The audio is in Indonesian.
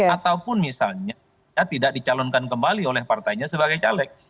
ataupun misalnya tidak dicalonkan kembali oleh partainya sebagai caleg